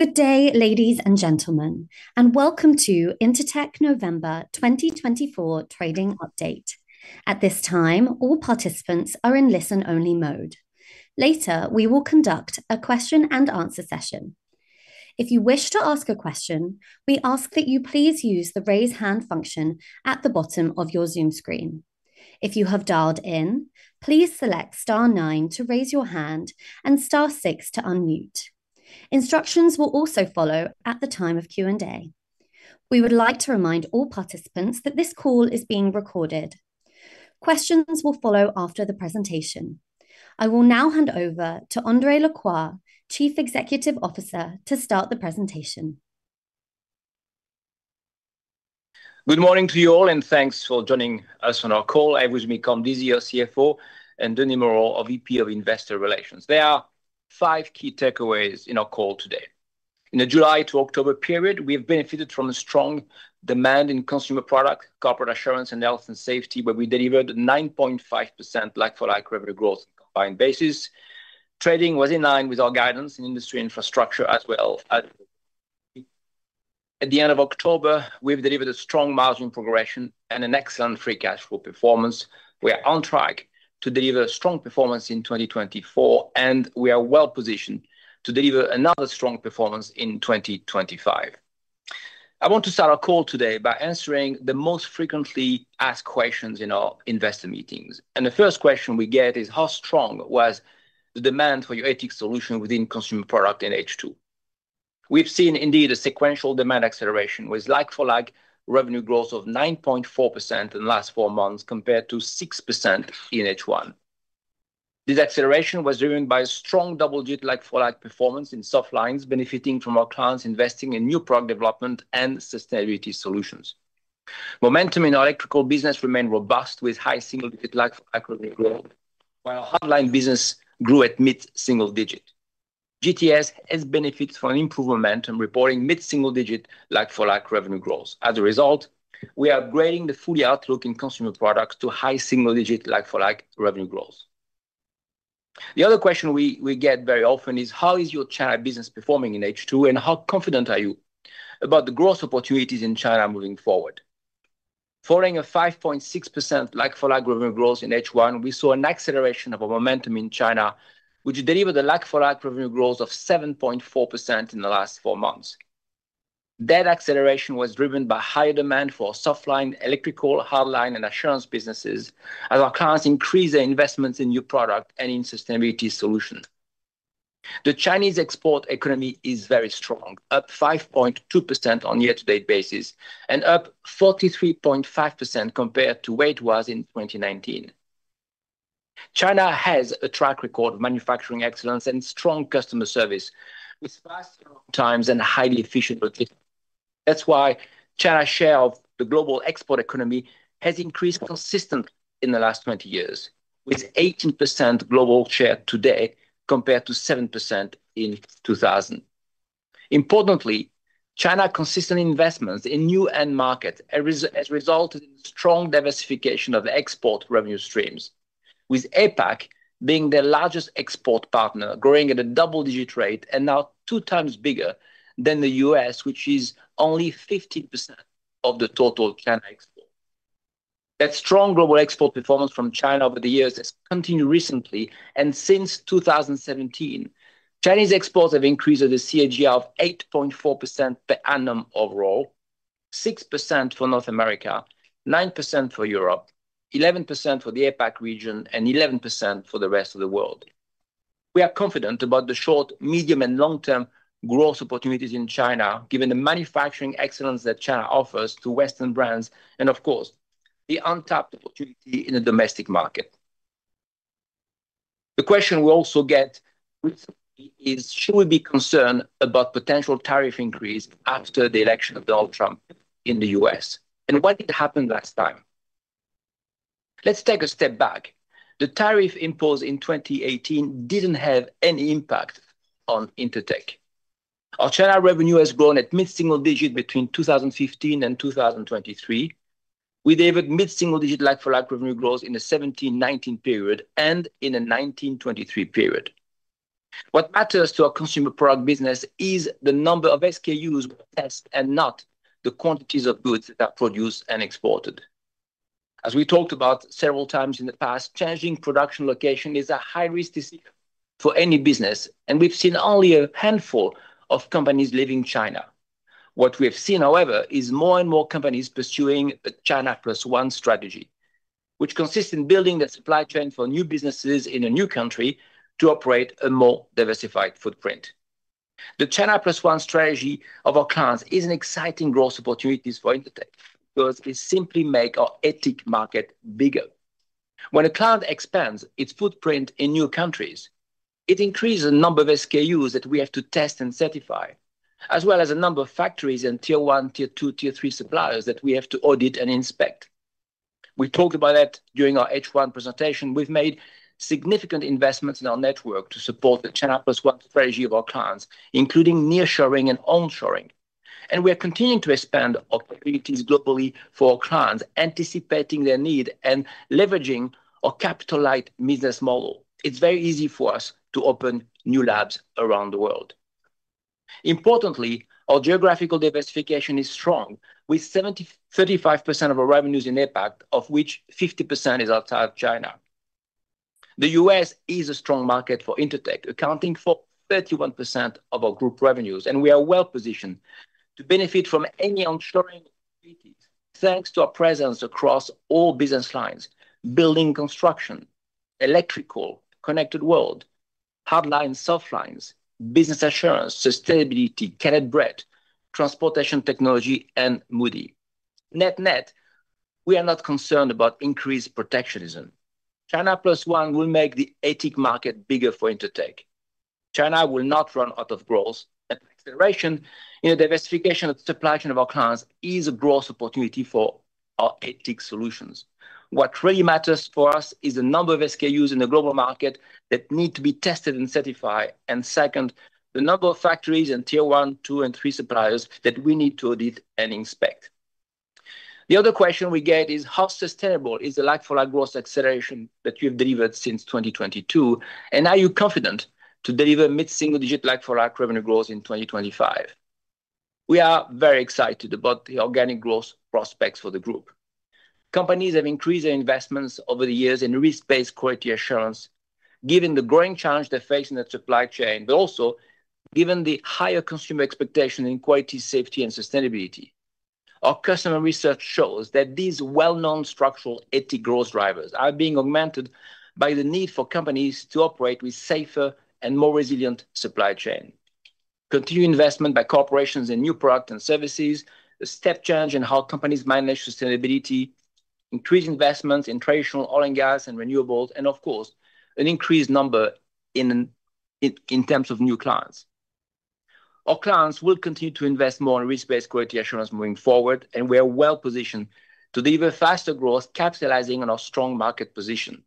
Good day, ladies and gentlemen, and welcome to Intertek November 2024 Trading Update. At this time, all participants are in listen-only mode. Later, we will conduct a question-and-answer session. If you wish to ask a question, we ask that you please use the raise hand function at the bottom of your Zoom screen. If you have dialed in, please select star nine to raise your hand and star six to unmute. Instructions will also follow at the time of Q&A. We would like to remind all participants that this call is being recorded. Questions will follow after the presentation. I will now hand over to André Lacroix, Chief Executive Officer, to start the presentation. Good morning to you all, and thanks for joining us on our call. I'm with me, Colm Deasy, your CFO, and Denis Moreau, our VP of Investor Relations. There are five key takeaways in our call today. In the July to October period, we have benefited from a strong demand in Consumer Products, Corporate Assurance, and Health and Safety, where we delivered 9.5% like-for-like revenue growth on a combined basis. Trading was in line with our guidance in Industry and Infrastructure as well. At the end of October, we've delivered a strong margin progression and an excellent free cash flow performance. We are on track to deliver a strong performance in 2024, and we are well positioned to deliver another strong performance in 2025. I want to start our call today by answering the most frequently asked questions in our investor meetings. The first question we get is, how strong was the demand for your ATIC solution within Consumer Products in H2? We've seen, indeed, a sequential demand acceleration with like-for-like revenue growth of 9.4% in the last four months compared to 6% in H1. This acceleration was driven by strong double-digit like-for-like performance in Softlines, benefiting from our clients investing in new product development and Sustainability solutions. Momentum in our Electrical business remained robust, with high single-digit like-for-like revenue growth, while our Hardlines business grew at mid-single-digit. GTS has benefited from improved momentum reporting mid-single-digit like-for-like revenue growth. As a result, we are upgrading the full-year outlook for Consumer Products to high single-digit like-for-like revenue growth. The other question we get very often is, how is your China business performing in H2, and how confident are you about the growth opportunities in China moving forward? Following a 5.6% like-for-like revenue growth in H1, we saw an acceleration of our momentum in China, which delivered a like-for-like revenue growth of 7.4% in the last four months. That acceleration was driven by higher demand for Softlines, Electricals, Hardlines, and Assurance businesses as our clients increase their investments in new products and in sustainability solutions. The Chinese export economy is very strong, up 5.2% on a year-to-date basis and up 43.5% compared to where it was in 2019. China has a track record of manufacturing excellence and strong customer service, with fast times and highly efficient logistics. That's why China's share of the global export economy has increased consistently in the last 20 years, with 18% global share today compared to 7% in 2000. Importantly, China's consistent investments in new end markets have resulted in a strong diversification of export revenue streams, with APAC being their largest export partner, growing at a double-digit rate and now two times bigger than the U.S., which is only 15% of the total China export. That strong global export performance from China over the years has continued recently, and since 2017, Chinese exports have increased at a CAGR of 8.4% per annum overall, 6% for North America, 9% for Europe, 11% for the APAC region, and 11% for the rest of the world. We are confident about the short, medium, and long-term growth opportunities in China, given the manufacturing excellence that China offers to Western brands and, of course, the untapped opportunity in the domestic market. The question we also get recently is, should we be concerned about potential tariff increase after the election of Donald Trump in the U.S.? And what did happen last time? Let's take a step back. The tariff imposed in 2018 didn't have any impact on Intertek. Our China revenue has grown at mid-single digit between 2015 and 2023. We delivered mid-single digit like-for-like revenue growth in the 2017-2019 period and in the 2019-2023 period. What matters to our consumer product business is the number of SKUs we test and not the quantities of goods that are produced and exported. As we talked about several times in the past, changing production location is a high-risk decision for any business, and we've seen only a handful of companies leaving China. What we have seen, however, is more and more companies pursuing the China Plus One strategy, which consists in building the supply chain for new businesses in a new country to operate a more diversified footprint. The China Plus One strategy of our clients is an exciting growth opportunity for Intertek because it simply makes our end market bigger. When a client expands its footprint in new countries, it increases the number of SKUs that we have to test and certify, as well as the number of factories and tier one, tier two, tier three suppliers that we have to audit and inspect. We talked about that during our H1 presentation. We've made significant investments in our network to support the China Plus One strategy of our clients, including nearshoring and onshoring. We are continuing to expand our capabilities globally for our clients, anticipating their need and leveraging our capital-light business model. It's very easy for us to open new labs around the world. Importantly, our geographical diversification is strong, with 70%-35% of our revenues in APAC, of which 50% is outside China. The U.S. is a strong market for Intertek, accounting for 31% of our group revenues, and we are well positioned to benefit from any onshoring opportunities thanks to our presence across all business lines: Building & Construction, Electricals, Connected World, Hardlines, Softlines, Business Assurance, sustainability, Caleb Brett, Transportation Technologies, and Moody. Net net, we are not concerned about increased protectionism. China Plus One will make the TIC market bigger for Intertek. China will not run out of growth. Acceleration in the diversification of the supply chain of our clients is a growth opportunity for our TIC solutions. What really matters for us is the number of SKUs in the global market that need to be tested and certified, and second, the number of factories and tier one, two, and three suppliers that we need to audit and inspect. The other question we get is, how sustainable is the like-for-like growth acceleration that you have delivered since 2022? And are you confident to deliver mid-single digit like-for-like revenue growth in 2025? We are very excited about the organic growth prospects for the group. Companies have increased their investments over the years in risk-based quality Assurance, given the growing challenge they face in the supply chain, but also given the higher consumer expectations in quality, safety, and sustainability. Our customer research shows that these well-known structural ATIC growth drivers are being augmented by the need for companies to operate with safer and more resilient supply chains. Continued investment by corporations in new products and services, a step change in how companies manage sustainability, increased investments in traditional oil and gas and renewables, and, of course, an increased number in terms of new clients. Our clients will continue to invest more in risk-based quality Assurance moving forward, and we are well positioned to deliver faster growth, capitalizing on our strong market position.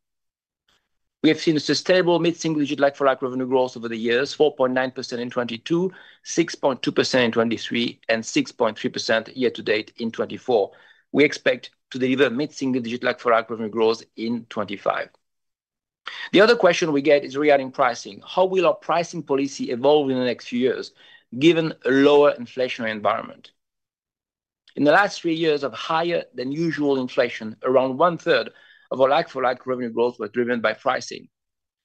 We have seen a sustainable mid-single digit like-for-like revenue growth over the years: 4.9% in 2022, 6.2% in 2023, and 6.3% year-to-date in 2024. We expect to deliver mid-single digit like-for-like revenue growth in 2025. The other question we get is regarding pricing. How will our pricing policy evolve in the next few years given a lower inflationary environment? In the last three years of higher than usual inflation, around one-third of our like-for-like revenue growth was driven by pricing.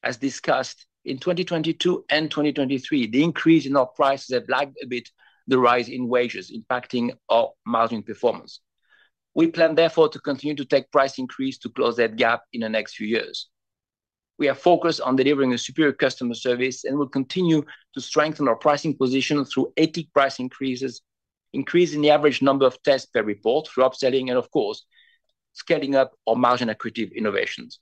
As discussed, in 2022 and 2023, the increase in our prices has lagged a bit the rise in wages, impacting our margin performance. We plan, therefore, to continue to take price increases to close that gap in the next few years. We are focused on delivering a superior customer service and will continue to strengthen our pricing position through ethical price increases, increasing the average number of tests per report through upselling, and, of course, scaling up our margin-accretive innovations.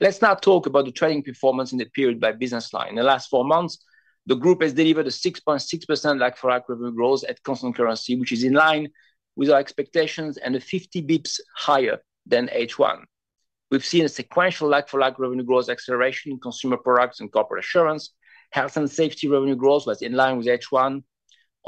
Let's now talk about the trading performance in the period by business line. In the last four months, the group has delivered a 6.6% like-for-like revenue growth at constant currency, which is in line with our expectations and 50 basis points higher than H1. We've seen a sequential like-for-like revenue growth acceleration in Consumer Products and Corporate Assurance. Health and Safety revenue growth was in line with H1.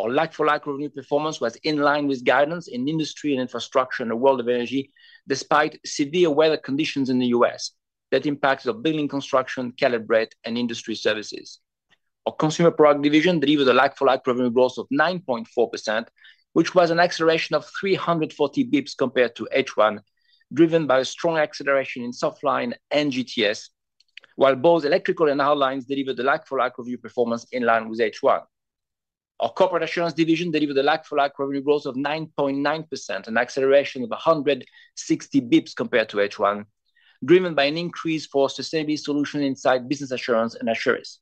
Our like-for-like revenue performance was in line with guidance in Industry and Infrastructure in the World of Energy, despite severe weather conditions in the U.S. that impacted our Building & Construction, Caleb Brett, and Industry Services. Our Consumer Products division delivered a like-for-like revenue growth of 9.4%, which was an acceleration of 340 basis points compared to H1, driven by a strong acceleration in Softlines and GTS, while both Electricals and Hardlines delivered a like-for-like revenue performance in line with H1. Our Corporate Assurance division delivered a like-for-like revenue growth of 9.9%, an acceleration of 160 basis points compared to H1, driven by an increase for sustainability solutions inside Business Assurance and Assurance.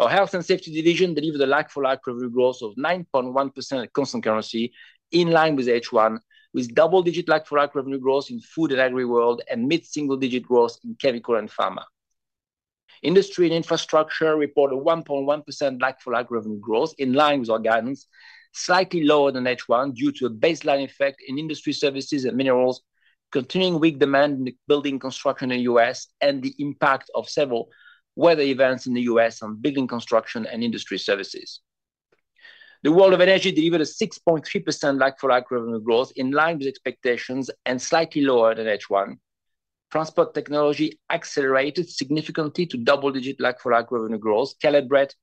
Our Health and Safety division delivered a like-for-like revenue growth of 9.1% at constant currency, in line with H1, with double-digit like-for-like revenue growth in Food & Agri-world and mid-single digit growth in Chemicals & Pharma. Industry and Infrastructure reported a 1.1% like-for-like revenue growth, in line with our guidance, slightly lower than H1 due to a baseline effect in Industry Services and Minerals, continuing weak demand in Building Construction in the U.S., and the impact of several weather events in the U.S. on Building & Construction, and Industry Services. World of Energy delivered a 6.3% like-for-like revenue growth, in line with expectations and slightly lower than H1. Transportation Technologies accelerated significantly to double-digit like-for-like revenue growth. Caleb Brett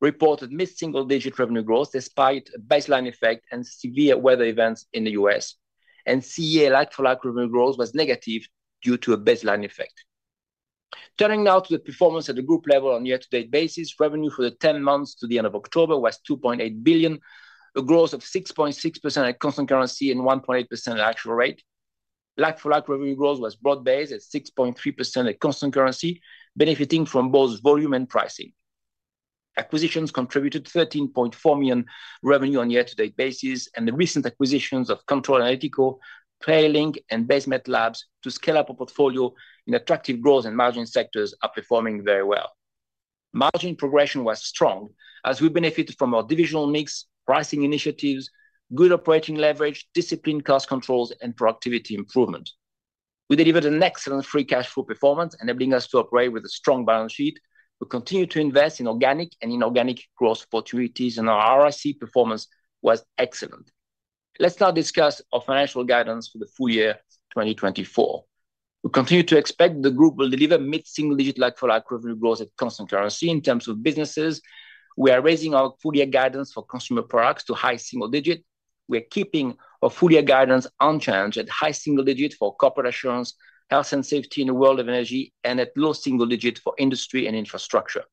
reported mid-single digit revenue growth despite a baseline effect and severe weather events in the U.S., and CEA like-for-like revenue growth was negative due to a baseline effect. Turning now to the performance at the group level on a year-to-date basis, revenue for the 10 months to the end of October was 2.8 billion, a growth of 6.6% at constant currency and 1.8% at actual rate. Like-for-like revenue growth was broad-based at 6.3% at constant currency, benefiting from both volume and pricing. Acquisitions contributed 13.4 million revenue on a year-to-date basis, and the recent acquisitions of Controle Analítico, PlayerLync, and Base Met Labs to scale up our portfolio in attractive growth and margin sectors are performing very well. Margin progression was strong as we benefited from our divisional mix, pricing initiatives, good operating leverage, disciplined cost controls, and productivity improvement. We delivered an excellent free cash flow performance, enabling us to operate with a strong balance sheet. We continue to invest in organic and inorganic growth opportunities, and our ROIC performance was excellent. Let's now discuss our financial guidance for the full year 2024. We continue to expect the group will deliver mid-single digit like-for-like revenue growth at constant currency in terms of businesses. We are raising our full-year guidance for Consumer Products to high single digit. We are keeping our full-year guidance unchanged at high single digit for Corporate Assurance, Health and Safety in the World of Energy, and at low single digit for Industry and Infrastructure.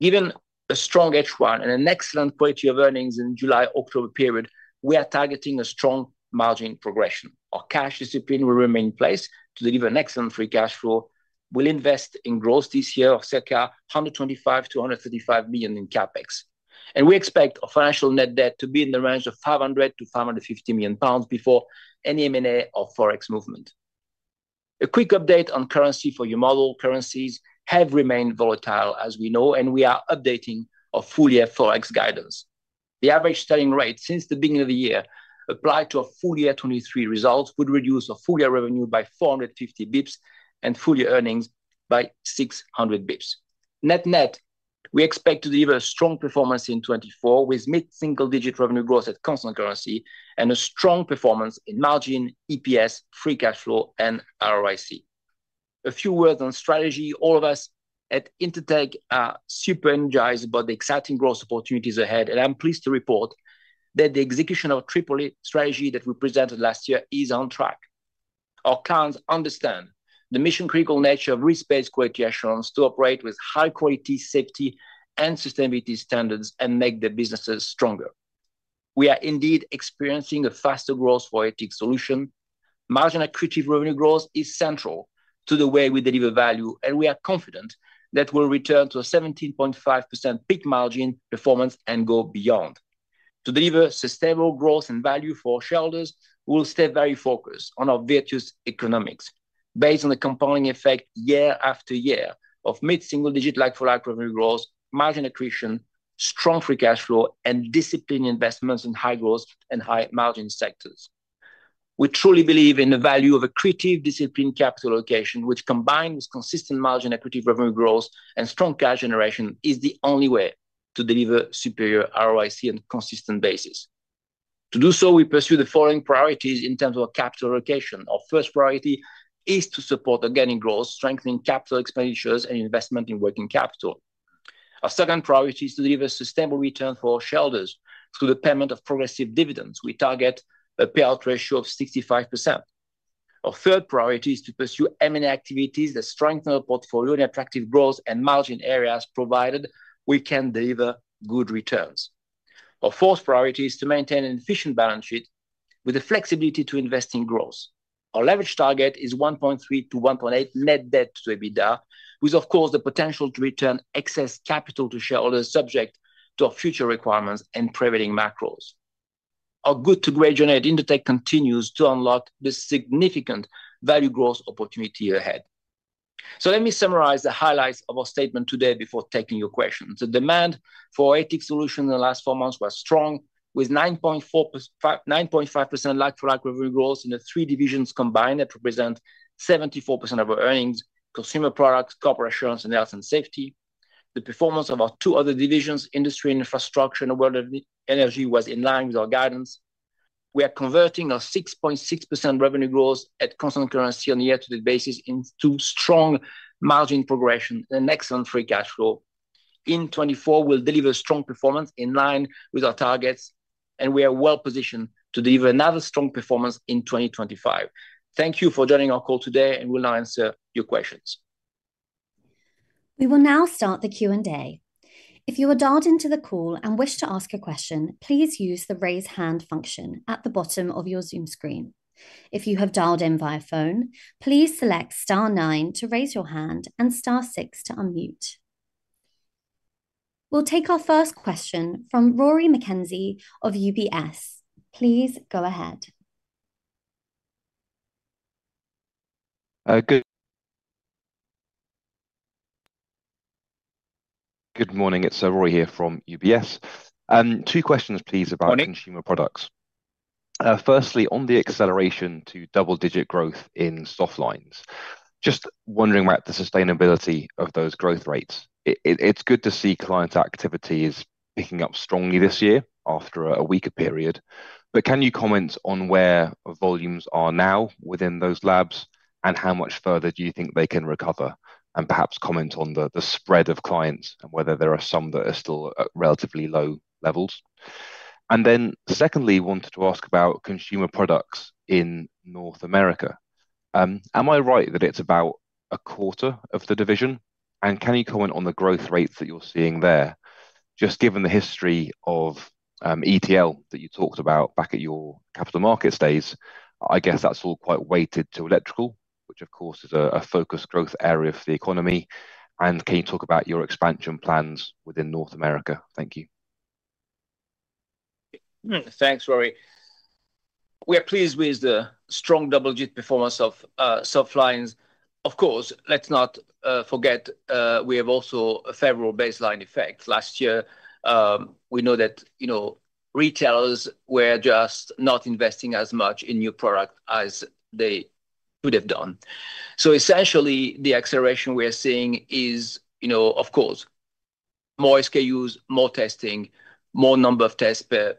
Given a strong H1 and an excellent quality of earnings in the July-October period, we are targeting a strong margin progression. Our cash discipline will remain in place to deliver an excellent free cash flow. We'll invest in growth this year of circa 125-135 million in CapEx, and we expect our financial net debt to be in the range of 500-550 million pounds before any M&A or Forex movement. A quick update on currency for your model: currencies have remained volatile, as we know, and we are updating our full-year Forex guidance. The average selling rate since the beginning of the year applied to our full year 2023 results would reduce our full year revenue by 450 basis points and full year earnings by 600 basis points. Net net, we expect to deliver a strong performance in 2024 with mid-single digit revenue growth at constant currency and a strong performance in margin, EPS, free cash flow, and ROIC. A few words on strategy: all of us at Intertek are super energized about the exciting growth opportunities ahead, and I'm pleased to report that the execution of our AAA strategy that we presented last year is on track. Our clients understand the mission-critical nature of risk-based quality Assurance to operate with high-quality, safety, and sustainability standards and make their businesses stronger. We are indeed experiencing a faster growth for ATIC solution. Margin-accretive revenue growth is central to the way we deliver value, and we are confident that we'll return to a 17.5% peak margin performance and go beyond. To deliver sustainable growth and value for our shareholders, we'll stay very focused on our virtuous economics based on the compounding effect year after year of mid-single digit like-for-like revenue growth, margin accretion, strong free cash flow, and disciplined investments in high growth and high margin sectors. We truly believe in the value of accretive disciplined capital allocation, which, combined with consistent margin-accretive revenue growth and strong cash generation, is the only way to deliver superior ROIC on a consistent basis. To do so, we pursue the following priorities in terms of our capital allocation. Our first priority is to support organic growth, strengthening capital expenditures and investment in working capital. Our second priority is to deliver sustainable returns for our shareholders through the payment of progressive dividends. We target a payout ratio of 65%. Our third priority is to pursue M&A activities that strengthen our portfolio in attractive growth and margin areas provided we can deliver good returns. Our fourth priority is to maintain an efficient balance sheet with the flexibility to invest in growth. Our leverage target is 1.3-1.8 net debt to EBITDA, with, of course, the potential to return excess capital to shareholders subject to our future requirements and prevailing macros. Our Good to Great journey at Intertek continues to unlock the significant value growth opportunity ahead. So let me summarize the highlights of our statement today before taking your questions. The demand for our Assurance solutions in the last four months was strong, with 9.5% like-for-like revenue growth in the three divisions combined that represent 74% of our earnings: Consumer Products, Corporate Assurance, and Health and Safety. The performance of our two other divisions, Industry and Infrastructure and World of Energy, was in line with our guidance. We are converting our 6.6% revenue growth at constant currency on a year-to-date basis into strong margin progression and excellent free cash flow. In 2024, we'll deliver strong performance in line with our targets, and we are well positioned to deliver another strong performance in 2025. Thank you for joining our call today, and we'll now answer your questions. We will now start the Q&A. If you are dialed into the call and wish to ask a question, please use the raise hand function at the bottom of your Zoom screen. If you have dialed in via phone, please select star nine to raise your hand and star six to unmute. We'll take our first question from Rory McKenzie of UBS. Please go ahead. Good morning. It's Rory here from UBS. Two questions, please, about consumer products. Firstly, on the acceleration to double-digit growth in Softlines, just wondering about the sustainability of those growth rates. It's good to see client activity is picking up strongly this year after a weaker period, but can you comment on where volumes are now within those labs and how much further do you think they can recover? And perhaps comment on the spread of clients and whether there are some that are still at relatively low levels. And then secondly, wanted to ask about consumer products in North America. Am I right that it's about a quarter of the division? And can you comment on the growth rates that you're seeing there? Just given the history of ETL that you talked about back at your capital market days, I guess that's all quite weighted to Electricals, which, of course, is a focus growth area for the economy. And can you talk about your expansion plans within North America? Thank you. Thanks, Rory. We are pleased with the strong double-digit performance of Softlines. Of course, let's not forget we have also a favorable baseline effect. Last year, we know that retailers were just not investing as much in new products as they could have done. So essentially, the acceleration we are seeing is, of course, more SKUs, more testing, more number of tests per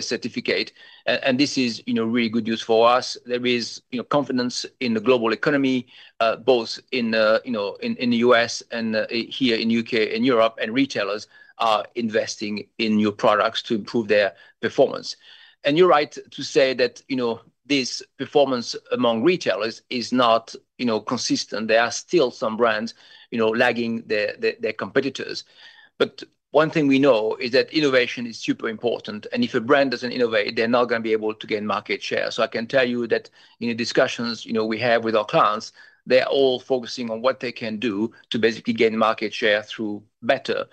certificate. And this is really good news for us. There is confidence in the global economy, both in the U.S. and here in the U.K. and Europe, and retailers are investing in new products to improve their performance, and you're right to say that this performance among retailers is not consistent, there are still some brands lagging their competitors, but one thing we know is that innovation is super important, and if a brand doesn't innovate, they're not going to be able to gain market share, so I can tell you that in the discussions we have with our clients, they're all focusing on what they can do to basically gain market share through better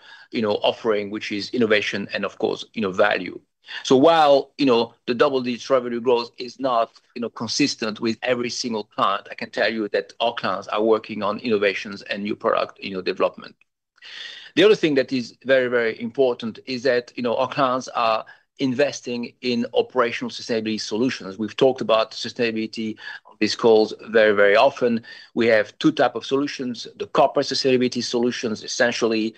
offering, which is innovation and, of course, value, so while the double-digit revenue growth is not consistent with every single client, I can tell you that our clients are working on innovations and new product development. The other thing that is very, very important is that our clients are investing in operational sustainability solutions. We've talked about sustainability on this call very, very often. We have two types of solutions: the corporate sustainability solutions, essentially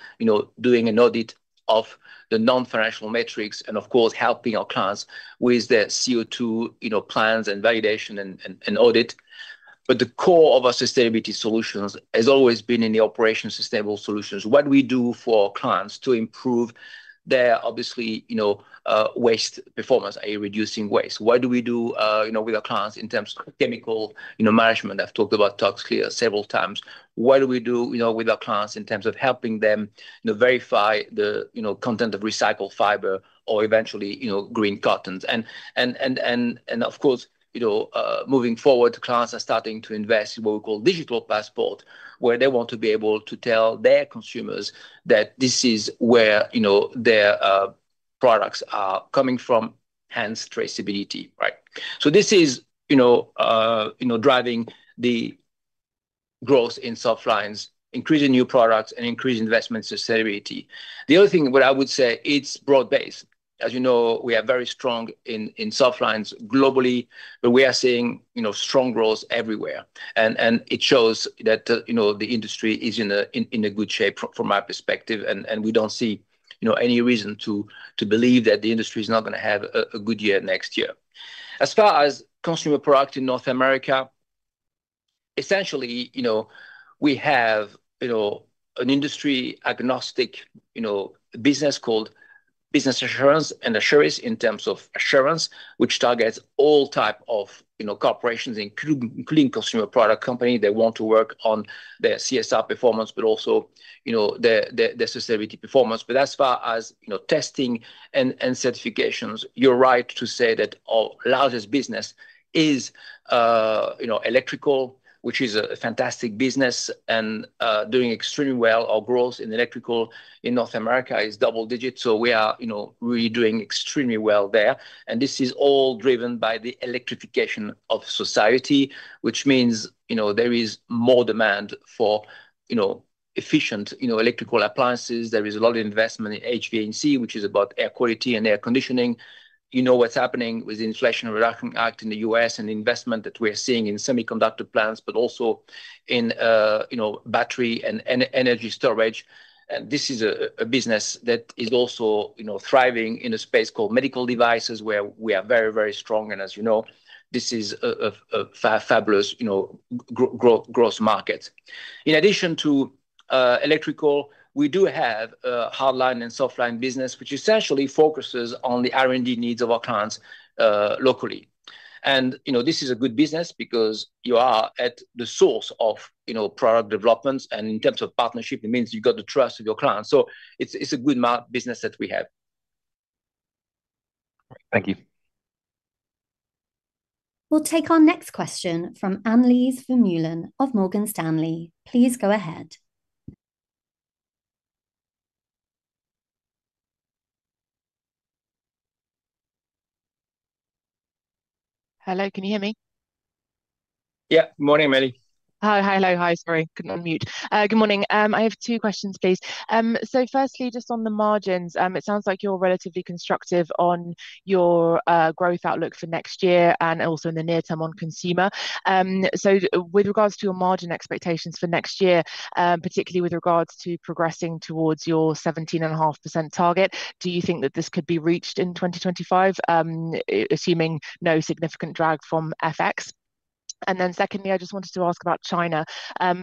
doing an audit of the non-financial metrics and, of course, helping our clients with their CO2 plans and validation and audit. But the core of our sustainability solutions has always been in the operational sustainable solutions. What do we do for our clients to improve their, obviously, waste performance, i.e., reducing waste? What do we do with our clients in terms of chemical management? I've talked about ToxClear several times. What do we do with our clients in terms of helping them verify the content of recycled fiber or eventually green cottons? Of course, moving forward, clients are starting to invest in what we call digital passport, where they want to be able to tell their consumers that this is where their products are coming from, hence traceability. This is driving the growth in Softlines, increasing new products, and increasing investment sustainability. The other thing that I would say, it's broad-based. As you know, we are very strong in Softlines globally, but we are seeing strong growth everywhere. It shows that the industry is in a good shape from my perspective, and we don't see any reason to believe that the industry is not going to have a good year next year. As far as consumer products in North America, essentially, we have an industry-agnostic business called Business Assurance and Assurance in terms of Assurance, which targets all types of corporations, including consumer product companies that want to work on their CSR performance, but also their sustainability performance. But as far as testing and certifications, you're right to say that our largest business is Electricals, which is a fantastic business and doing extremely well. Our growth in Electricals in North America is double-digit, so we are really doing extremely well there. And this is all driven by the electrification of society, which means there is more demand for efficient Electricals appliances. There is a lot of investment in HVAC, which is about air quality and air conditioning. You know what's happening with the Inflation Reduction Act in the US and the investment that we are seeing in semiconductor plants, but also in battery and energy storage. This is a business that is also thriving in a space called medical devices, where we are very, very strong. As you know, this is a fabulous growth market. In addition to Electricals, we do have a Hardlines and Softline business, which essentially focuses on the R&D needs of our clients locally. This is a good business because you are at the source of product developments, and in terms of partnership, it means you've got the trust of your clients. So it's a good business that we have. Thank you. We'll take our next question from Annelies Vermeulen of Morgan Stanley. Please go ahead. Hello, can you hear me? Yeah. Good morning, Annelies. Hi. Hello. Hi. Sorry, couldn't unmute. Good morning. I have two questions, please. So firstly, just on the margins, it sounds like you're relatively constructive on your growth outlook for next year and also in the near term on consumer. So with regards to your margin expectations for next year, particularly with regards to progressing towards your 17.5% target, do you think that this could be reached in 2025, assuming no significant drag from FX? And then secondly, I just wanted to ask about China.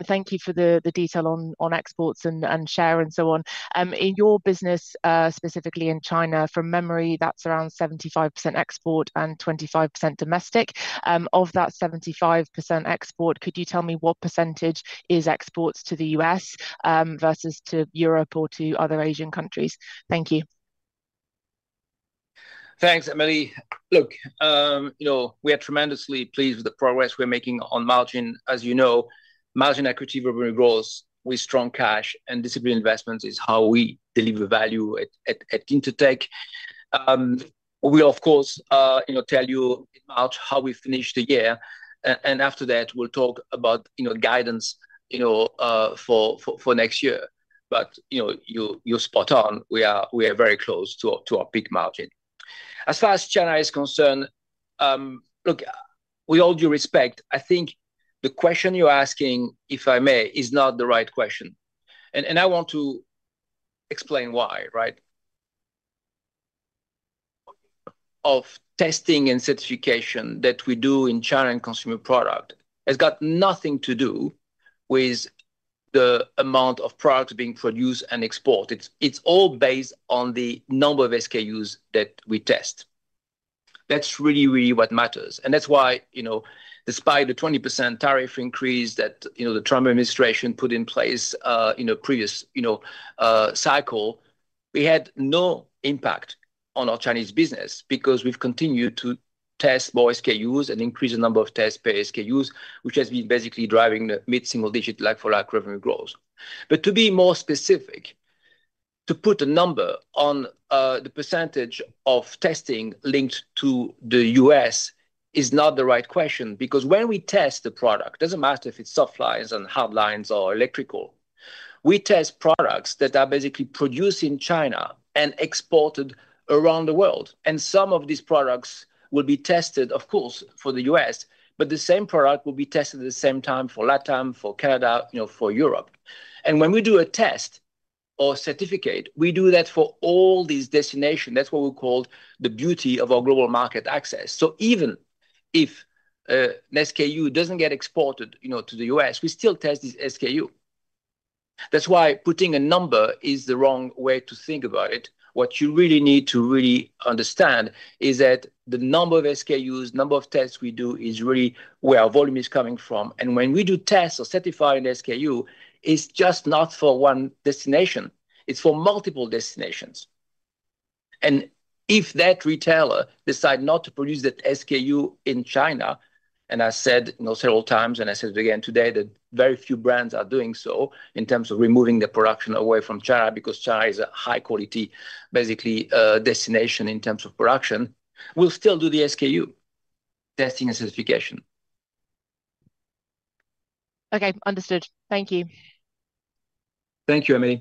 Thank you for the detail on exports and share and so on. In your business, specifically in China, from memory, that's around 75% export and 25% domestic. Of that 75% export, could you tell me what percentage is exports to the U.S. versus to Europe or to other Asian countries? Thank you. Thanks, Annelies. Look, we are tremendously pleased with the progress we're making on margin. As you know, margin-accretive revenue growth with strong cash and disciplined investments is how we deliver value at Intertek. We'll, of course, tell you in March how we finish the year, and after that, we'll talk about guidance for next year. But you're spot on. We are very close to our peak margin. As far as China is concerned, look, with all due respect, I think the question you're asking, if I may, is not the right question. And I want to explain why. Of testing and certification that we do in China and Consumer Products, it's got nothing to do with the amount of products being produced and exported. It's all based on the number of SKUs that we test. That's really, really what matters. And that's why, despite the 20% tariff increase that the Trump administration put in place in a previous cycle, we had no impact on our Chinese business because we've continued to test more SKUs and increase the number of tests per SKUs, which has been basically driving the mid-single-digit like-for-like revenue growth. But to be more specific, to put a number on the percentage of testing linked to the U.S. is not the right question because when we test the product, it doesn't matter if it's Softlines and Hardlines or Electricals. We test products that are basically produced in China and exported around the world. And some of these products will be tested, of course, for the U.S., but the same product will be tested at the same time for Latam, for Canada, for Europe. When we do a test or certificate, we do that for all these destinations. That's what we call the beauty of our global market access. Even if an SKU doesn't get exported to the U.S., we still test this SKU. That's why putting a number is the wrong way to think about it. What you really need to really understand is that the number of SKUs, number of tests we do is really where our volume is coming from. When we do tests or certify an SKU, it's just not for one destination. It's for multiple destinations. And if that retailer decides not to produce that SKU in China, and I've said several times, and I said it again today, that very few brands are doing so in terms of removing the production away from China because China is a high-quality, basically, destination in terms of production, we'll still do the SKU testing and certification. Okay. Understood. Thank you. Thank you, Annelies.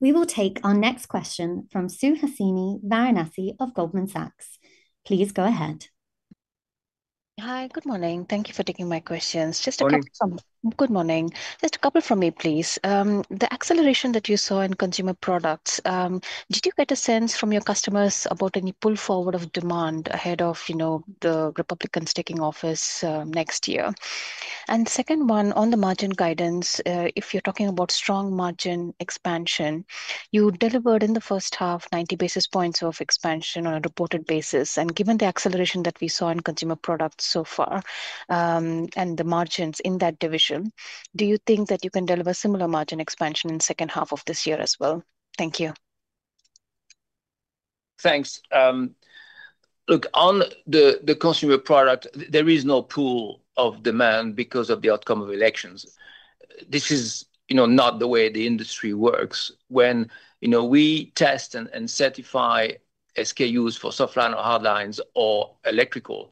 We will take our next question from Suhasini Varanasi of Goldman Sachs. Please go ahead. Hi. Good morning. Thank you for taking my questions. Just a couple from me, please. The acceleration that you saw in consumer products, did you get a sense from your customers about any pull forward of demand ahead of the Republicans' taking office next year? And second one, on the margin guidance, if you're talking about strong margin expansion, you delivered in the first half 90 basis points of expansion on a reported basis. And given the acceleration that we saw in consumer products so far and the margins in that division, do you think that you can deliver similar margin expansion in the second half of this year as well? Thank you. Thanks. Look, on the consumer product, there is no pool of demand because of the outcome of elections. This is not the way the industry works. When we test and certify SKUs for Softlines or Hardlines or Electricals,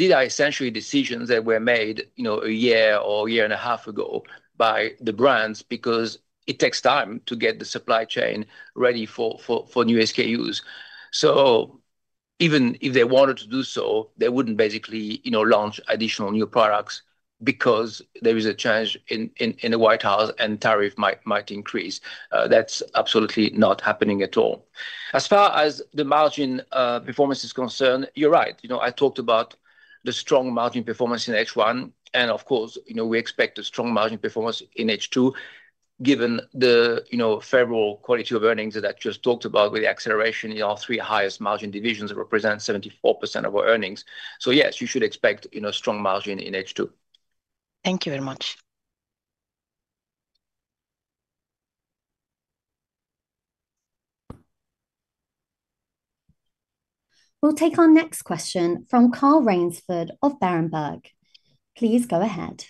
these are essentially decisions that were made a year or a year and a half ago by the brands because it takes time to get the supply chain ready for new SKUs. So even if they wanted to do so, they wouldn't basically launch additional new products because there is a change in the White House and tariff might increase. That's absolutely not happening at all. As far as the margin performance is concerned, you're right. I talked about the strong margin performance in H1. And of course, we expect a strong margin performance in H2 given the favorable quality of earnings that I just talked about with the acceleration in our three highest margin divisions that represent 74% of our earnings. So yes, you should expect a strong margin in H2. Thank you very much. We'll take our next question from Carl Raynsford of Berenberg. Please go ahead.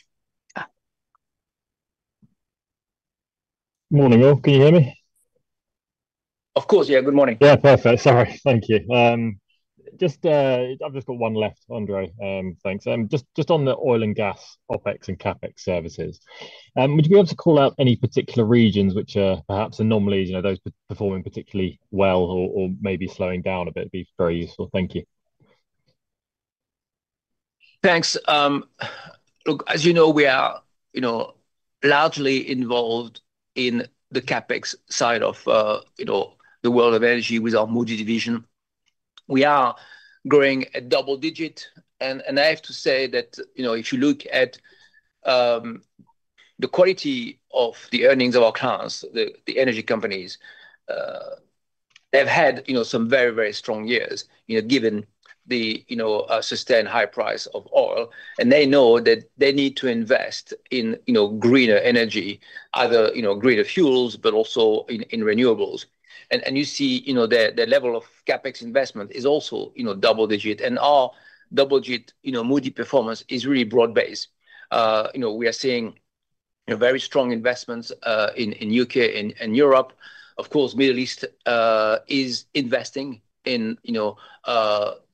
Good morning. Can you hear me? Of course. Yeah. Good morning. Yeah. Perfect. Sorry. Thank you. I've just got one left, André. Thanks. Just on the oil and gas, OpEx and CapEx services, would you be able to call out any particular regions which are perhaps anomalies, those performing particularly well or maybe slowing down a bit? It'd be very useful. Thank you. Thanks. Look, as you know, we are largely involved in the CapEx side of the World of Energy with our Moody division. We are growing at double digit. And I have to say that if you look at the quality of the earnings of our clients, the energy companies, they've had some very, very strong years given the sustained high price of oil. And they know that they need to invest in greener energy, either greener fuels, but also in renewables. And you see the level of CapEx investment is also double digit. And our double digit Moody performance is really broad-based. We are seeing very strong investments in the U.K. and Europe. Of course, the Middle East is investing in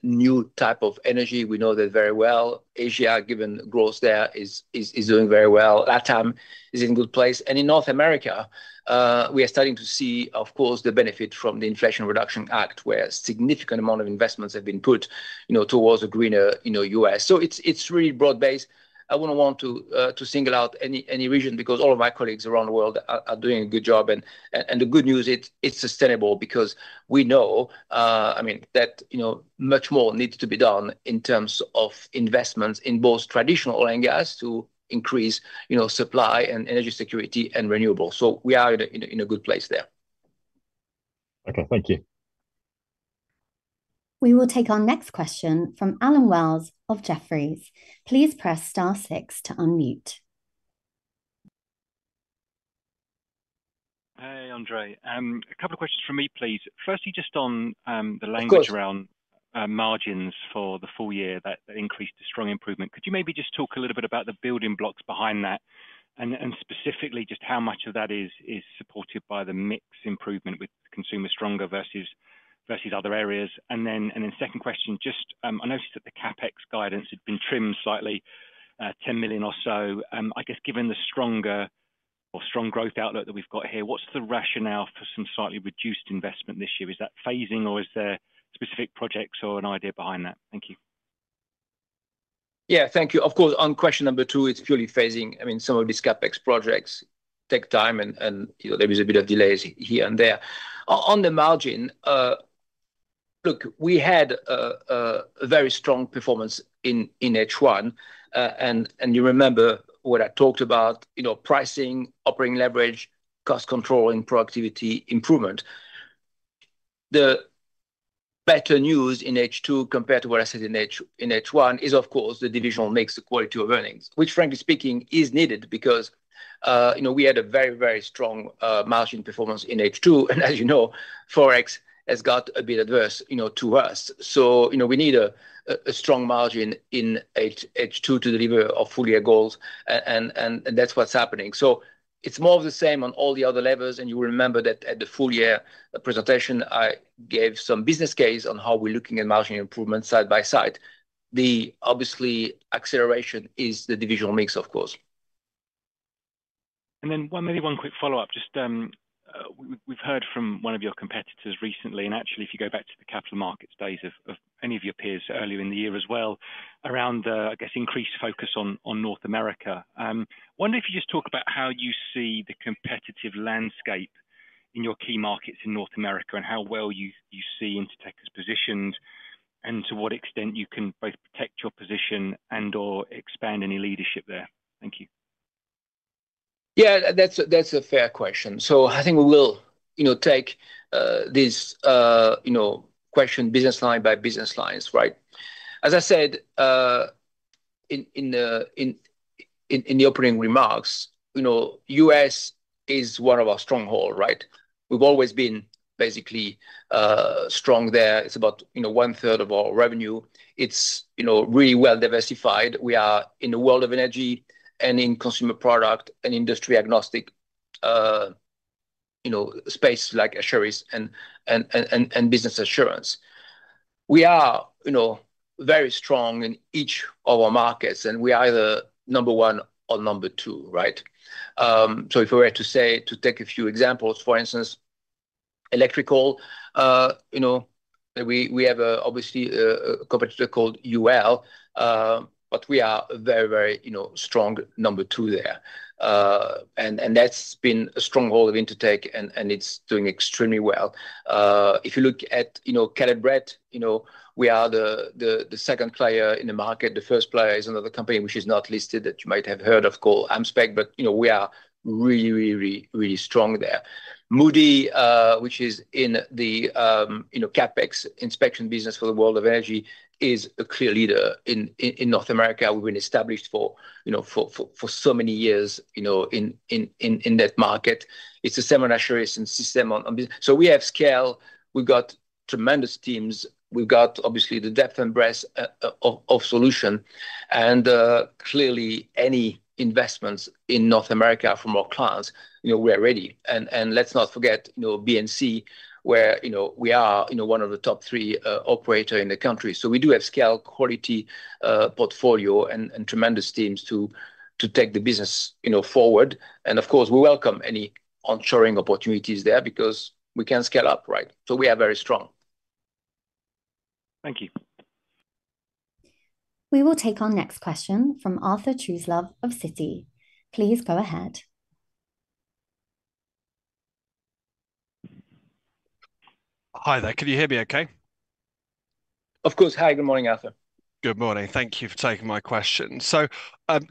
new types of energy. We know that very well. Asia, given growth there, is doing very well. Latam is in a good place. And in North America, we are starting to see, of course, the benefit from the Inflation Reduction Act, where a significant amount of investments have been put towards a greener U.S. So it's really broad-based. I wouldn't want to single out any region because all of my colleagues around the world are doing a good job. And the good news, it's sustainable because we know, I mean, that much more needs to be done in terms of investments in both traditional oil and gas to increase supply and energy security and renewables. So we are in a good place there. Okay. Thank you. We will take our next question from Alan Wells of Jefferies. Please press star six to unmute. Hey, André. A couple of questions from me, please. Firstly, just on the language around margins for the full year that increased the strong improvement. Could you maybe just talk a little bit about the building blocks behind that and specifically just how much of that is supported by the mix improvement with consumer stronger versus other areas? And then second question, just I noticed that the CapEx guidance had been trimmed slightly, 10 million or so. I guess given the stronger or strong growth outlook that we've got here, what's the rationale for some slightly reduced investment this year? Is that phasing, or is there specific projects or an idea behind that? Thank you. Yeah. Thank you. Of course, on question number two, it's purely phasing. I mean, some of these CapEx projects take time, and there is a bit of delays here and there. On the margin, look, we had a very strong performance in H1, and you remember what I talked about: pricing, operating leverage, cost control, and productivity improvement. The better news in H2 compared to what I said in H1 is, of course, the division makes the quality of earnings, which, frankly speaking, is needed because we had a very, very strong margin performance in H2, and as you know, Forex has got a bit adverse to us, so we need a strong margin in H2 to deliver our full-year goals, and that's what's happening, so it's more of the same on all the other levels, and you remember that at the full-year presentation, I gave some business case on how we're looking at margin improvement side by side. The obvious acceleration is the divisional mix, of course. And then maybe one quick follow-up. Just we've heard from one of your competitors recently. And actually, if you go back to the capital markets days of any of your peers earlier in the year as well around, I guess, increased focus on North America. I wonder if you just talk about how you see the competitive landscape in your key markets in North America and how well you see Intertek is positioned and to what extent you can both protect your position and/or expand any leadership there. Thank you. Yeah, that's a fair question. So I think we will take this question business line by business lines, right? As I said in the opening remarks, U.S. is one of our strongholds, right? We've always been basically strong there. It's about one-third of our revenue. It's really well-diversified. We are in the world of energy and in consumer product and industry-agnostic space like assurance and Business Assurance. We are very strong in each of our markets, and we are either number one or number two, right? So if we were to take a few examples, for instance, Electricals, we have obviously a competitor called UL, but we are a very, very strong number two there. And that's been a stronghold of Intertek, and it's doing extremely well. If you look at Caleb Brett, we are the second player in the market. The first player is another company which is not listed that you might have heard of called AmSpec, but we are really, really, really strong there. Moody, which is in the CapEx inspection business for the world of energy, is a clear leader in North America. We've been established for so many years in that market. It's a semi-Assurance system. So we have scale. We've got tremendous teams. We've got obviously the depth and breadth of solution. And clearly, any investments in North America from our clients, we are ready. And let's not forget B&C, where we are one of the top three operators in the country. So we do have scale, quality portfolio, and tremendous teams to take the business forward. And of course, we welcome any onshoring opportunities there because we can scale up, right? So we are very strong. Thank you. We will take our next question from Arthur Truslove of Citi. Please go ahead. Hi there. Can you hear me okay? Of course. Hi. Good morning, Arthur. Good morning. Thank you for taking my question. So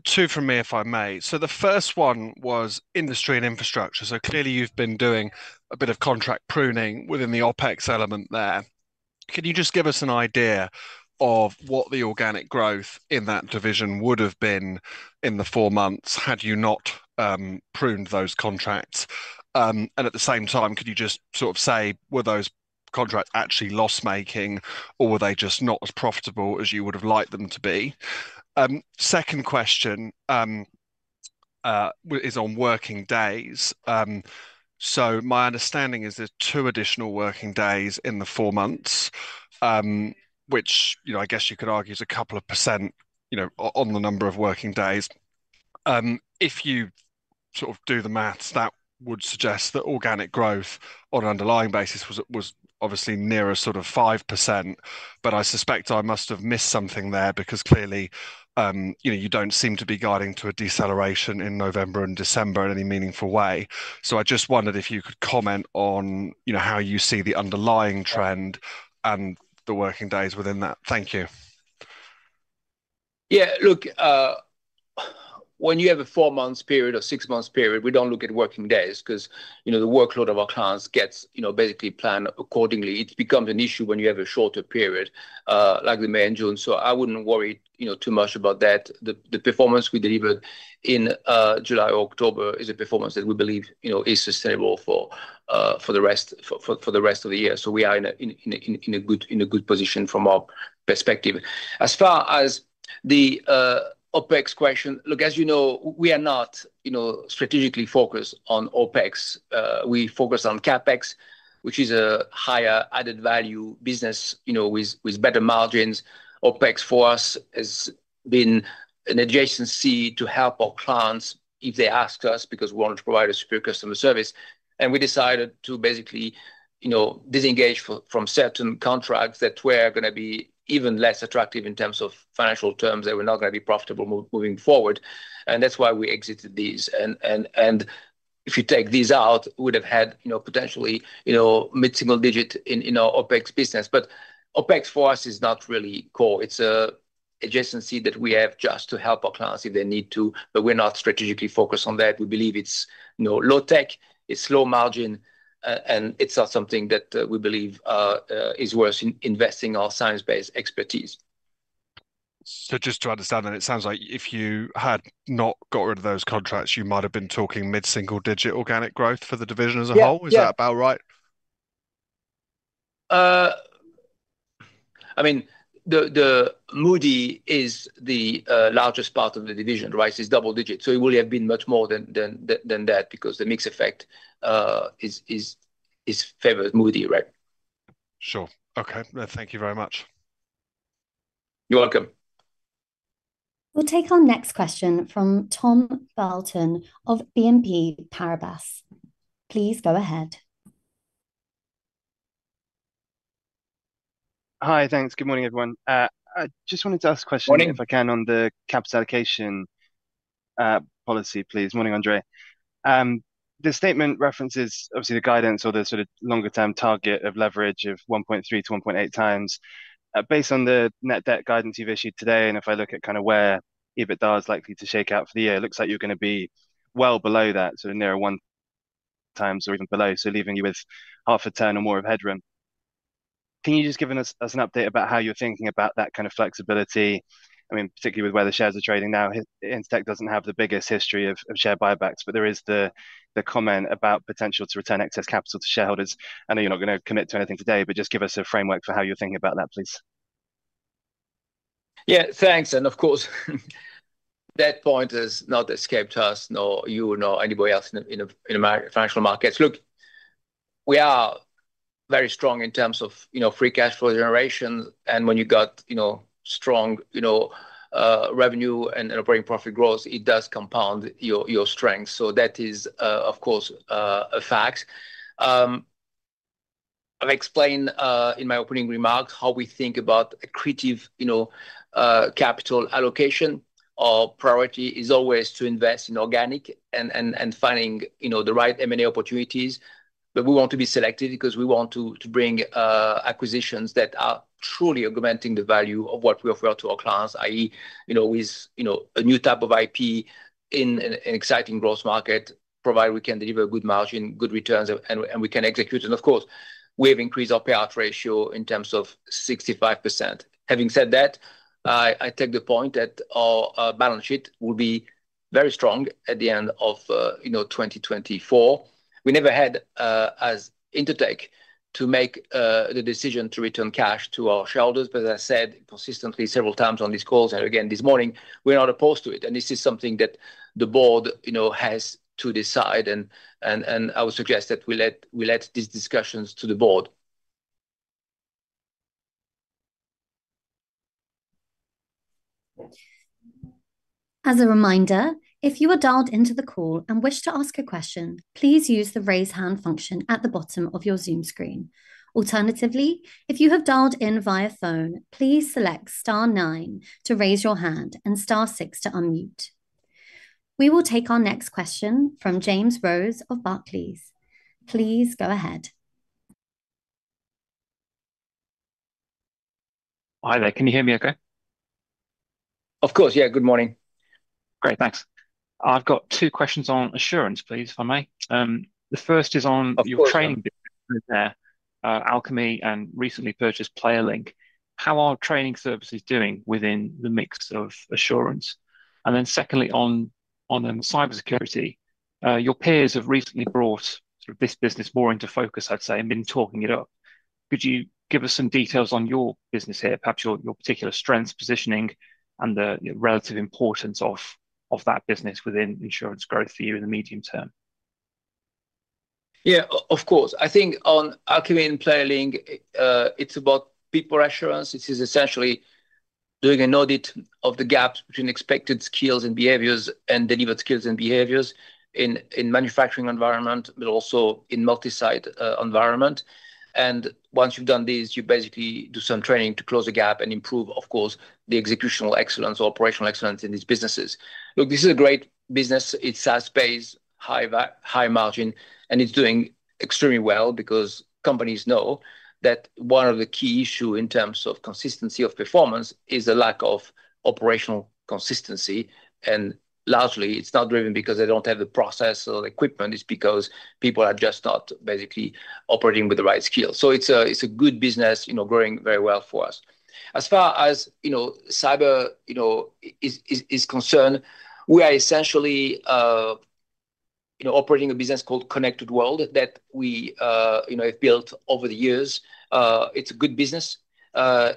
two from me, if I may. So the first one was Industry and Infrastructure. So clearly, you've been doing a bit of contract pruning within the OpEx element there. Can you just give us an idea of what the organic growth in that division would have been in the four months had you not pruned those contracts? And at the same time, could you just sort of say, were those contracts actually loss-making, or were they just not as profitable as you would have liked them to be? Second question is on working days. So my understanding is there's two additional working days in the four months, which I guess you could argue is a couple of % on the number of working days. If you sort of do the math, that would suggest that organic growth on an underlying basis was obviously nearer sort of 5%. But I suspect I must have missed something there because clearly, you don't seem to be guiding to a deceleration in November and December in any meaningful way. So I just wondered if you could comment on how you see the underlying trend and the working days within that. Thank you. Yeah. Look, when you have a four-month period or six-month period, we don't look at working days because the workload of our clients gets basically planned accordingly. It becomes an issue when you have a shorter period like May and June. So I wouldn't worry too much about that. The performance we delivered in July or October is a performance that we believe is sustainable for the rest of the year. So we are in a good position from our perspective. As far as the OpEx question, look, as you know, we are not strategically focused on OpEx. We focus on CapEx, which is a higher added value business with better margins. OpEx for us has been an adjacency to help our clients if they ask us because we want to provide a superior customer service. And we decided to basically disengage from certain contracts that were going to be even less attractive in terms of financial terms. They were not going to be profitable moving forward. And that's why we exited these. And if you take these out, we would have had potentially mid-single digit in our OpEx business. But OpEx for us is not really core. It's an adjacency that we have just to help our clients if they need to, but we're not strategically focused on that. We believe it's low-tech, it's low-margin, and it's not something that we believe is worth investing our science-based expertise. So just to understand that, it sounds like if you had not got rid of those contracts, you might have been talking mid-single digit organic growth for the division as a whole. Is that about right? I mean, the Moody is the largest part of the division, right? It's double digit. So it would have been much more than that because the mix effect is favored Moody, right? Sure. Okay. Thank you very much. You're welcome. We'll take our next question from Tom Burlton of BNP Paribas. Please go ahead. Hi. Thanks. Good morning, everyone. I just wanted to ask a question if I can on the capital allocation policy, please. Morning, André. The statement references obviously the guidance or the sort of longer-term target of leverage of 1.3-1.8 times. Based on the net debt guidance you've issued today, and if I look at kind of where EBITDA is likely to shake out for the year, it looks like you're going to be well below that, sort of nearer one times or even below, so leaving you with half a turn or more of headroom. Can you just give us an update about how you're thinking about that kind of flexibility? I mean, particularly with where the shares are trading now, Intertek doesn't have the biggest history of share buybacks, but there is the comment about potential to return excess capital to shareholders. I know you're not going to commit to anything today, but just give us a framework for how you're thin king about that, please. Yeah. Thanks. And of course, that point has not escaped us, nor you, nor anybody else in financial markets. Look, we are very strong in terms of free cash flow generation, and when you've got strong revenue and operating profit growth, it does compound your strength, so that is, of course, a fact. I've explained in my opening remarks how we think about an accretive capital allocation. Our priority is always to invest in organic and finding the right M&A opportunities, but we want to be selective because we want to bring acquisitions that are truly augmenting the value of what we offer to our clients, i.e., with a new type of IP in an exciting growth market, provided we can deliver good margin, good returns, and we can execute. And of course, we have increased our payout ratio to 65%. Having said that, I take the point that our balance sheet will be very strong at the end of 2024. We never had, as Intertek, to make the decision to return cash to our shareholders, but as I said consistently several times on these calls and again this morning, we're not opposed to it, and this is something that the board has to decide, and I would suggest that we let these discussions to the board. As a reminder, if you are dialed into the call and wish to ask a question, please use the raise hand function at the bottom of your Zoom screen. Alternatively, if you have dialed in via phone, please select star nine to raise your hand and star six to unmute. We will take our next question from James Rose of Barclays. Please go ahead. Hi there. Can you hear me okay? Of course. Yeah. Good morning. Great. Thanks. I've got two questions on Assurance, please, if I may. The first is on your training business there, Alchemy, and recently purchased PlayerLync. How are training services doing within the mix of Assurance? And then secondly, on cybersecurity, your peers have recently brought this business more into focus, I'd say, and been talking it up. Could you give us some details on your business here, perhaps your particular strengths, positioning, and the relative importance of that business within Assurance growth for you in the medium term? Yeah, of course. I think on Alchemy and PlayerLync, it's about People Assurance. It is essentially doing an audit of the gaps between expected skills and behaviors and delivered skills and behaviors in manufacturing environment, but also in multi-site environment. And once you've done this, you basically do some training to close the gap and improve, of course, the executional excellence or operational excellence in these businesses. Look, this is a great business. It's SaaS-based, high margin, and it's doing extremely well because companies know that one of the key issues in terms of consistency of performance is a lack of operational consistency, and largely, it's not driven because they don't have the process or the equipment. It's because people are just not basically operating with the right skills, so it's a good business growing very well for us. As far as cyber is concerned, we are essentially operating a business called Connected World that we have built over the years. It's a good business.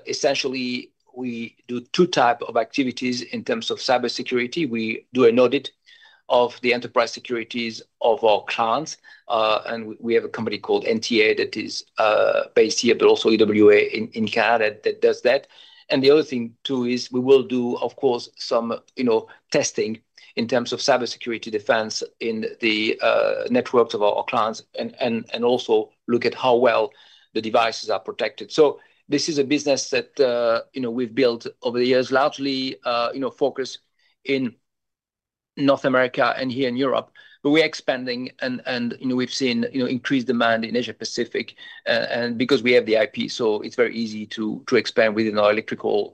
Essentially, we do two types of activities in terms of cybersecurity. We do an audit of the enterprise securities of our clients, and we have a company called NTA that is based here, but also EWA in Canada that does that. And the other thing, too, is we will do, of course, some testing in terms of cybersecurity defense in the networks of our clients and also look at how well the devices are protected. So this is a business that we've built over the years, largely focused in North America and here in Europe. But we are expanding, and we've seen increased demand in Asia-Pacific because we have the IP. So it's very easy to expand within our Electricals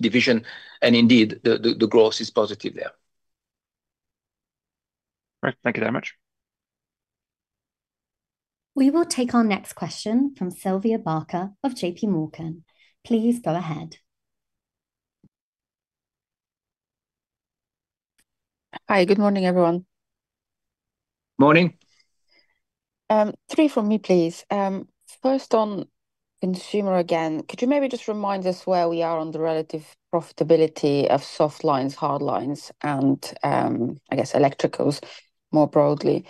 division. And indeed, the growth is positive there. Great. Thank you very much. We will take our next question from Sylvia Barker of JP Morgan. Please go ahead. Hi. Good morning, everyone. Morning. Three from me, please. First, on consumer again, could you maybe just remind us where we are on the relative profitability of Softlines, Hardlines, and I guess Electricals more broadly?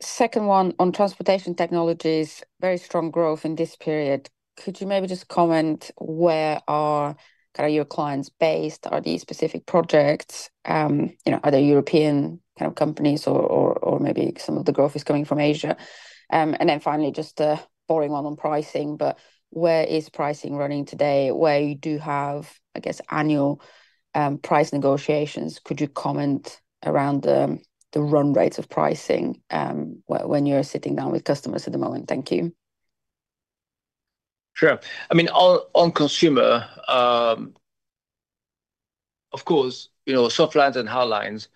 Second one, on Transportation Technologies, very strong growth in this period. Could you maybe just comment where are your clients based? Are these specific projects? Are there European kind of companies or maybe some of the growth is coming from Asia? And then finally, just a boring one on pricing, but where is pricing running today where you do have, I guess, annual price negotiations? Could you comment around the run rates of pricing when you're sitting down with customers at the moment? Thank you. Sure. I mean, on consumer, of course, Softlines and Hardlines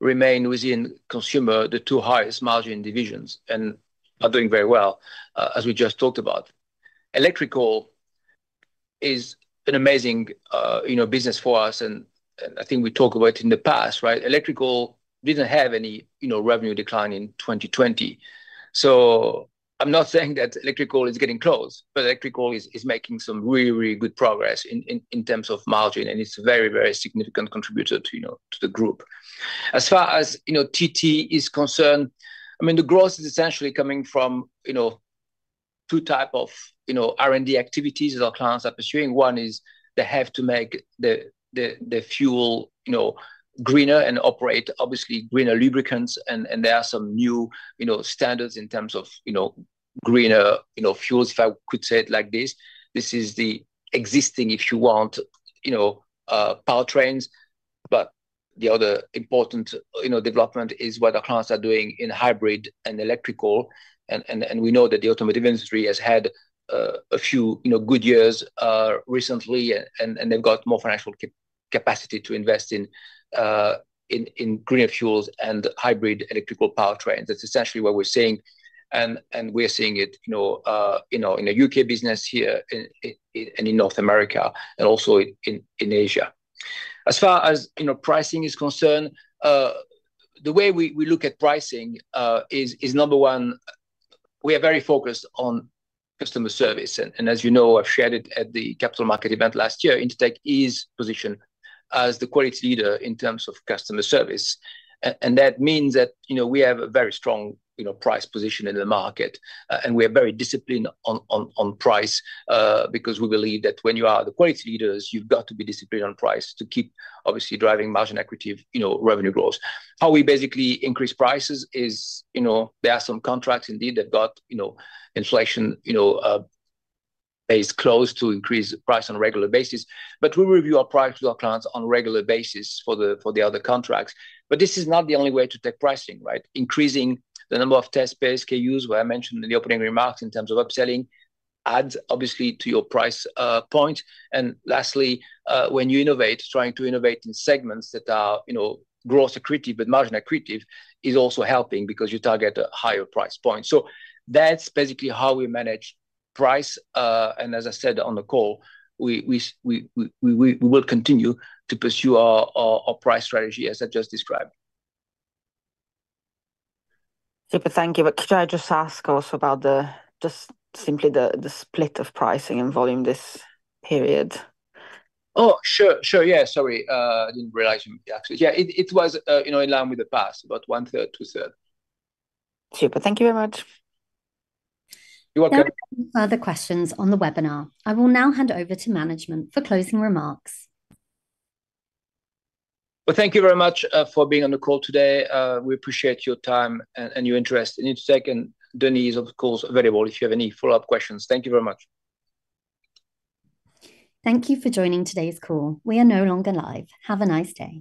remain within consumer, the two highest margin divisions, and are doing very well, as we just talked about. Electricals is an amazing business for us. And I think we talked about it in the past, right? Electricals didn't have any revenue decline in 2020. I'm not saying that Electricals is getting close, but Electricals is making some really, really good progress in terms of margin, and it's a very, very significant contributor to the group. As far as TT is concerned, I mean, the growth is essentially coming from two types of R&D activities that our clients are pursuing. One is they have to make the fuel greener and operate, obviously, greener lubricants. And there are some new standards in terms of greener fuels, if I could say it like this. This is the existing, if you want, powertrains. But the other important development is what our clients are doing in hybrid and Electricals. And we know that the automotive industry has had a few good years recently, and they've got more financial capacity to invest in greener fuels and hybrid Electrical powertrains. That's essentially what we're seeing. We're seeing it in a U.K. business here and in North America and also in Asia. As far as pricing is concerned, the way we look at pricing is number one, we are very focused on customer service. And as you know, I've shared it at the capital market event last year, Intertek is positioned as the quality leader in terms of customer service. And that means that we have a very strong price position in the market. And we are very disciplined on price because we believe that when you are the quality leaders, you've got to be disciplined on price to keep, obviously, driving margin equity revenue growth. How we basically increase prices is there are some contracts indeed that got inflation-based clauses to increase price on a regular basis. But we review our price with our clients on a regular basis for the other contracts. But this is not the only way to take pricing, right? Increasing the number of test beds can use, what I mentioned in the opening remarks in terms of upselling adds, obviously, to your price point. And lastly, when you innovate, trying to innovate in segments that are growth-accretive but margin-accretive is also helping because you target a higher price point. So that's basically how we manage price. And as I said on the call, we will continue to pursue our price strategy as I just described. Super. Thank you. But could I just ask also about just simply the split of pricing and volume this period? Oh, sure. Sure. Yeah. Sorry. I didn't realize you actually. Yeah. It was in line with the past, about one-third, two-third. Super. Thank you very much. You're welcome. Thank you for the questions on the webinar. I will now hand over to management for closing remarks. Well, thank you very much for being on the call today. We appreciate your time and your interest. And Intertek and Denis, of course, available if you have any follow-up questions. Thank you very much. Thank you for joining today's call. We are no longer live. Have a nice day.